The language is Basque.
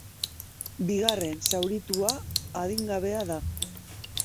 Bigarren zauritua adingabea da.